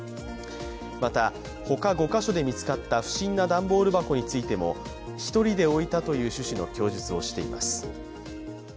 また、他５か所で見つかった不審な段ボール箱についても１人で置いたという趣旨の供述をしています。